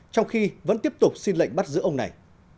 trong khi vẫn tiếp tục xin lệnh bắt giữ ông này